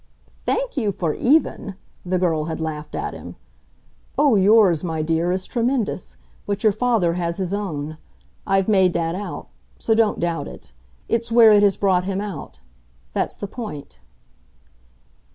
"Thank you for 'even'!" the girl had laughed at him. "Oh, yours, my dear, is tremendous. But your father has his own. I've made that out. So don't doubt it. It's where it has brought him out that's the point."